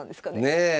ねえ。